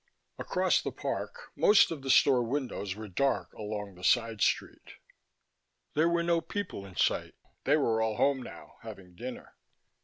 Across the park most of the store windows were dark along the side street. There were no people in sight; they were all home now, having dinner.